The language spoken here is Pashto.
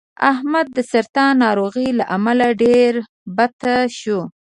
احمد د سرطان ناروغۍ له امله ډېر بته شو